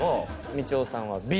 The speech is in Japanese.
みちおさんはＢ。